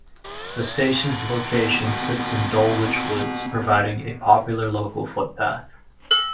The station's location sits in Dulwich Woods, providing a popular local footpath.